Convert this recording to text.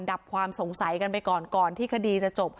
ดับความสงสัยกันไปก่อนก่อนที่คดีจะจบ